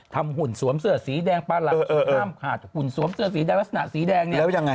ทำหุ่นสวมเสือสีแดงปลาหลังหุ่นสวมเสือสีแดงลักษณะสีแดง